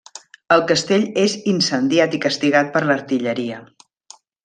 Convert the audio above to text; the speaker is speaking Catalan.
El castell és incendiat i castigat per l'artilleria.